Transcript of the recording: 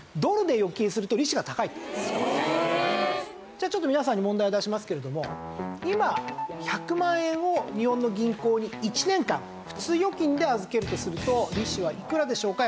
じゃあちょっと皆さんに問題を出しますけれども今１００万円を日本の銀行に１年間普通預金で預けるとすると利子はいくらでしょうか？